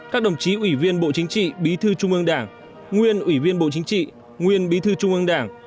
các đồng chí ủy viên bộ chính trị bí thư trung ương đảng nguyên ủy viên bộ chính trị nguyên bí thư trung ương đảng